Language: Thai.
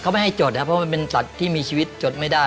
เขาไม่ให้จดนะครับเพราะมันเป็นสัตว์ที่มีชีวิตจดไม่ได้